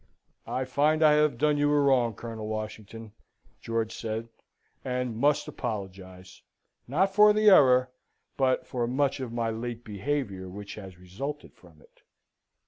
"I find I have done you a wrong, Colonel Washington," George said, "and must apologise, not for the error, but for much of my late behaviour which has resulted from it."